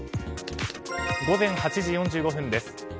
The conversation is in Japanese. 午前８時４５分です。